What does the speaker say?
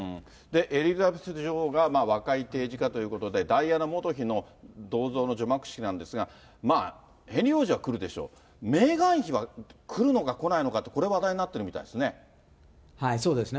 エリザベス女王が和解提示かということで、ダイアナ元妃の銅像の除幕式なんですが、まあ、ヘンリー王子は来るでしょう、メーガン妃は来るのか来ないのかって、これ話題になっているみたいですね。